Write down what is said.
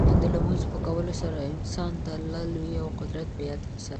د لمونځ په کولو سره انسان د الله لویي او قدرت په یاد ساتي.